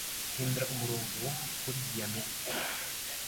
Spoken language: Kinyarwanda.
Hindura umugongo kuri Damiette